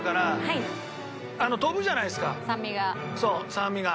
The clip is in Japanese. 酸味が。